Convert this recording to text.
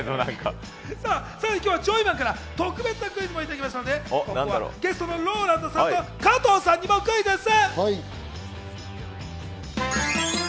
さらに今日はジョイマンから特別なクイズもいただきましたので、ゲストのＲＯＬＡＮＤさんと加藤さんにもクイズッス！